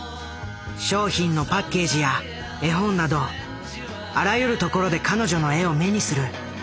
商品のパッケージや絵本などあらゆるところで彼女の絵を目にする。